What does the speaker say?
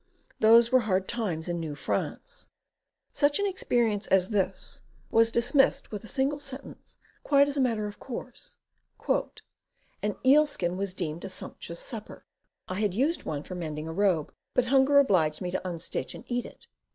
Those were hard times in New France! Such an experience as this was dismissed with a single 254 CAMPING AND WOODCRAFT sentence, quite as a matter of course: "An eelskin was deemed a sumptuous supper; I had used one for mend ing a robe, but hunger obHged me to unstitch and eat it."